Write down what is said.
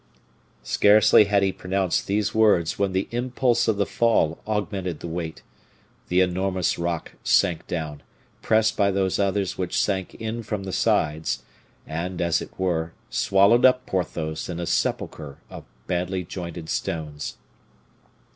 Scarcely had he pronounced these words, when the impulse of the fall augmented the weight; the enormous rock sank down, pressed by those others which sank in from the sides, and, as it were, swallowed up Porthos in a sepulcher of badly jointed stones.